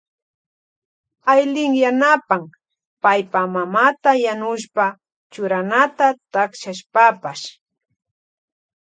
Aylin yanapan paypa mamata yanushpa churanata takshashpapash.